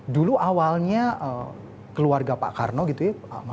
dulu awalnya keluarga pak karno gitu ya